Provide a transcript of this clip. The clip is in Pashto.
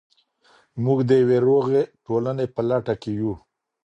موږ د يوې روغي ټولني په لټه کي يو.